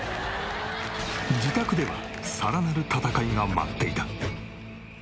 自宅ではさらなる戦いが待っていた。